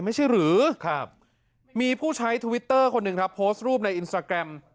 ไม่ใช่หรือครับมีผู้ใช้ทวิตเตอร์คนหนึ่งครับโพสต์รูปในอินสตาแกรม